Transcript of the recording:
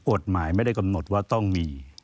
กฎหมายไม่ได้กำหนดว่าต้องมี